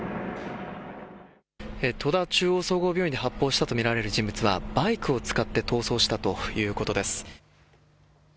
戸田中央総合病院で発砲したと見られる人物はバイクを使って逃走したということです。